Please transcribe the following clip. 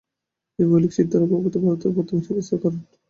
এই মৌলিক চিন্তার অভাবই ভারতের বর্তমান হীনাবস্থার কারণ।